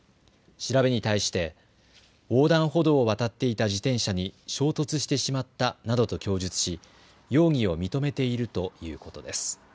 調べに対して横断歩道を渡っていた自転車に衝突してしまったなどと供述し容疑を認めているということです。